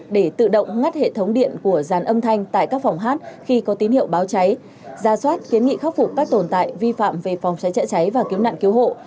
để tự động ngắt hệ thống điện của dàn âm thanh tại các phòng hát khi có tín hiệu báo cháy ra soát kiến nghị khắc phục các tồn tại vi phạm về phòng cháy chữa cháy và cứu nạn cứu hộ